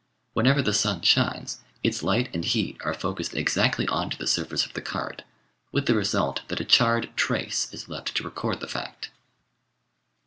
Whenever the sun shines, its light and heat are focused exactly on to the surface of the card, with the result that a charred trace is left to record the fact.